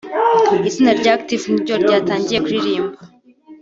Itsinda rya Active niryo ryatangiye kuririmba